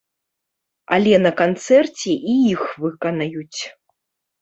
Але на канцэрце і іх выканаюць.